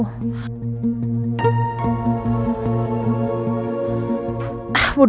mudah amat deh mendingin aku kabur aja